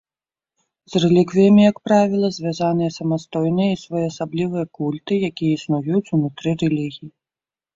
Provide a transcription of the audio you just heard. З рэліквіямі, як правіла, звязаныя самастойныя і своеасаблівыя культы, якія існуюць унутры рэлігій.